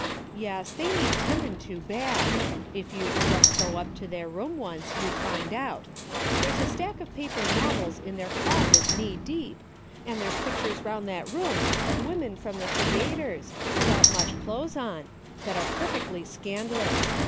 "Yes, they need 'tendin' to bad. If you'd just go up to their room once you'd find out. There's a stack of paper novils in their closet knee deep, an' there's pictures round that room of women from the «2/ tres, without much clo'es on, that are perfickl}^ scand'lous.